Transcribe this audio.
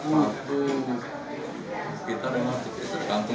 kalau sepatu gitar gitar kampung itu pas